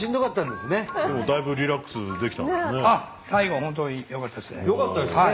でもだいぶリラックスできたんですね。